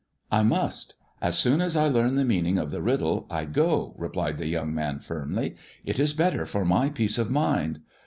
" I must. As soon as I learn the meaning of the riddle, I go," replied the young man firmly ;" it is better for my peace of mind."